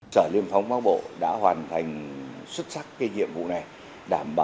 sở liên phóng bóc bộ đã hoàn thành xuất sắc cái nhiệm vụ này